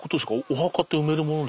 お墓って埋めるもの。